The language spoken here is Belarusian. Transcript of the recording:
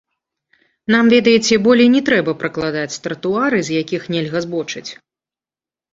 Нам, ведаеце, болей не трэба пракладаць тратуары, з якіх нельга збочыць.